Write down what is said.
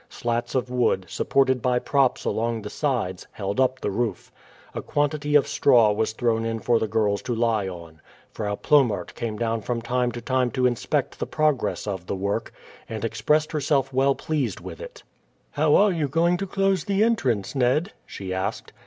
Slats of wood, supported by props along the sides, held up the roof. A quantity of straw was thrown in for the girls to lie on. Frau Plomaert came down from time to time to inspect the progress of the work, and expressed herself well pleased with it. "How are you going to close the entrance, Ned?" she asked.